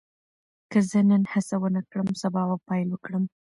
که زه نن هڅه ونه کړم، سبا به پیل وکړم.